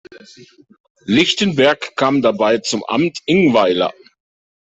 Lichtenberg kam dabei zum Amt Ingweiler.